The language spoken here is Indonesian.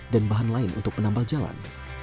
dan bahan lain untuk menambal jalan